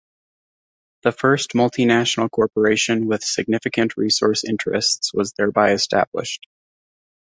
The first multi-national corporation with significant resource interests was thereby established.